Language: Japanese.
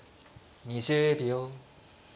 ２０秒。